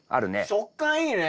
食感いいね。